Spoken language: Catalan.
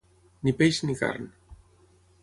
Ni peix ni carn.